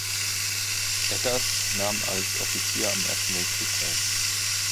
Eggers nahm als Offizier am Ersten Weltkrieg teil.